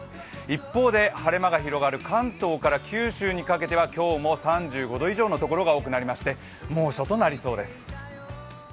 一方で晴れ間が広がる関東から九州にかけては今日も３５度以上の所が多くなりまして猛暑となりそうです。